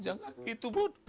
jangan gitu bun